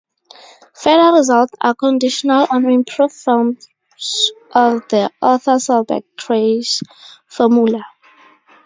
Further results are conditional on improved forms of the Arthur-Selberg trace formula.